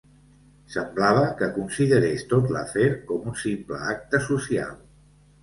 Semblava que considerés tot l'afer com un simple acte social